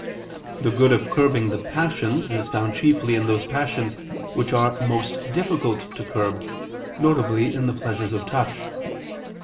The good of curbing the passions is found chiefly in those passions which are most difficult to curb, viz. in the pleasures of touch.